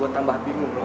gue tambah bingung loh